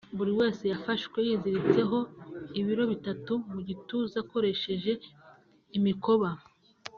buri wese yafashwe yiziritseho ibiro bitatu mu gituza akoresheje imikoba